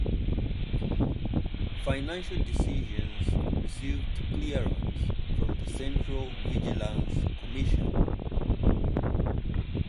Financial decisions received clearance from the Central Vigilance commission.